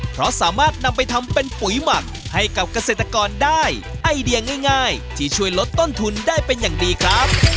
เพราะสามารถนำไปทำเป็นปุ๋ยหมักให้กับเกษตรกรได้ไอเดียง่ายที่ช่วยลดต้นทุนได้เป็นอย่างดีครับ